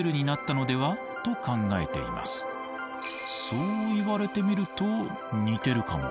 そう言われてみると似てるかも。